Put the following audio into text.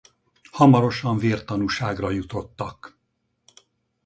Hamarosan vértanúságra jutottak.